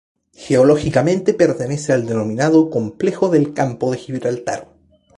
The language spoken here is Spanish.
Geológicamente pertenece al denominado "complejo del Campo de Gibraltar".